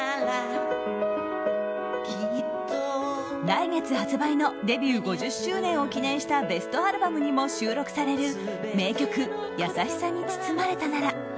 来月発売のデビュー５０周年を記念したベストアルバムにも収録される名曲「やさしさに包まれたなら」。